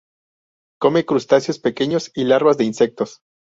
Come crustáceos pequeños y larvas de insectos.